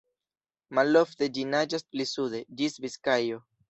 Malofte ĝi naĝas pli sude, ĝis Biskajo.